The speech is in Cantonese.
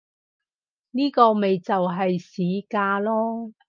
呢個咪就係市價囉